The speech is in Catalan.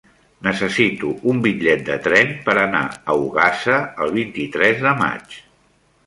Necessito un bitllet de tren per anar a Ogassa el vint-i-tres de maig.